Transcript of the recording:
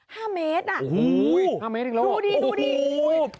ห้าเมตรน่ะโอ้โหดูดิดูดิโอ้โห